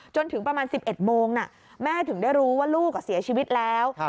จนถึงประมาณ๑๑โมงแม่ถึงได้รู้ว่าลูกเสียชีวิตแล้ว